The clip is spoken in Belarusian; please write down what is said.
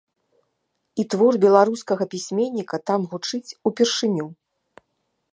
І твор беларускага пісьменніка там гучыць упершыню.